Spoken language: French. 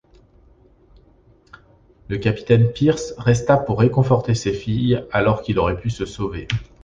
Le capitaine Pierce resta pour réconforter ses filles alors qu'il aurait pu se sauver.